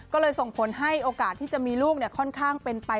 ก็เลยส่งผลให้โอกาสที่จะมีลูกค่อนข้างเป็นไป